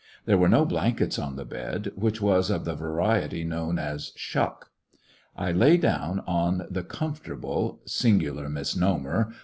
There were no blankets on the bed, which was of the variety known as "shuck." I lay down on the comfortable— singular misnomer